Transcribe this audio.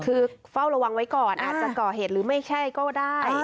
คือเฝ้าระวังไว้ก่อนอาจจะก่อเหตุหรือไม่ใช่ก็ได้